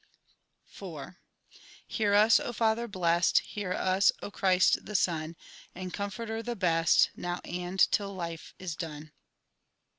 IV Hear us, O Father blest, Hear us, O Christ the Son, And Comforter the best, Now, and till life is done.